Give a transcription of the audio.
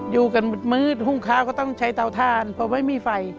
อยู่กันมืดหุ้งข้าวก็ต้องใช้เตาทานเพราะไม่มีไฟ